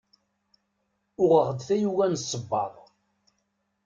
Uɣeɣ-d tayuga n ssebbaḍ.